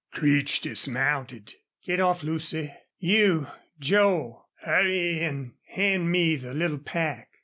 Creech dismounted. "Git off, Lucy. You, Joel, hurry an' hand me the little pack....